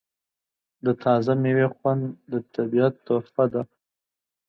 د تازه میوې خوند د طبیعت تحفه ده.